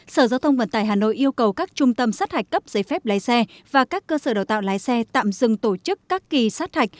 sở giao thông vận tải hà nội yêu cầu các trung tâm sát hạch cấp giấy phép lái xe và các cơ sở đào tạo lái xe tạm dừng tổ chức các kỳ sát hạch